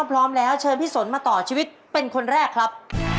พร้อมแล้วเชิญพี่สนมาต่อชีวิตเป็นคนแรกครับ